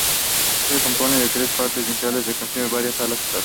Se compone de tres partes principales que consisten en varias salas y torres.